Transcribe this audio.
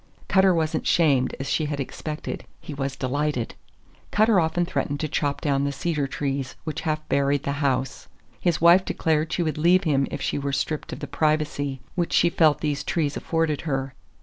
Cutter was n't shamed as she had expected; he was delighted! Cutter often threatened to chop down the cedar trees which half buried the house. His wife declared she would leave him if she were stripped of the "privacy" which she felt these trees afforded her.